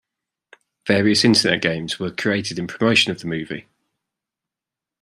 Various internet games were created in promotion of the movie.